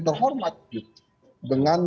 terhormat gitu dengan